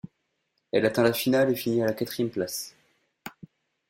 Elle atteint la finale et finit à la quatrième place.